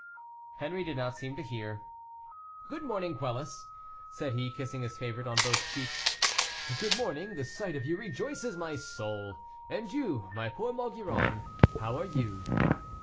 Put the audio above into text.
Henri did not seem to hear. "Good morning, Quelus," said he kissing his favorite on both cheeks; "good morning, the sight of you rejoices my soul, and you, my poor Maugiron, how are you?"